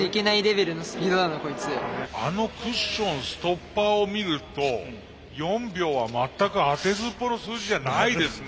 あのクッションストッパーを見ると４秒は全くあてずっぽうの数字じゃないですね。